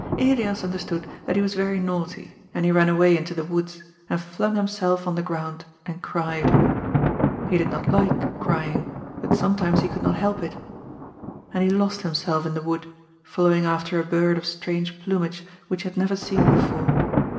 Elias understood that he was yery naughty, and he ran away into the woods and flung himself on the ground and cried. He did not like crying, but sometimes he could not help it. And he lost himself in the wood, following after a bird of strange plumage which he had neyer seen before.